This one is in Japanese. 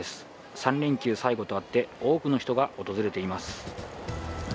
３連休最後とあって多くの人が訪れています。